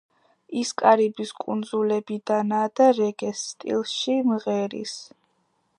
ის კარიბის კუნძულებიდანაა და რეგეს სტილში მღერის.